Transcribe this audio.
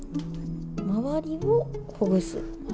周りをほぐす。